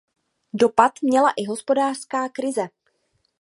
Dopad měla i hospodářská krize.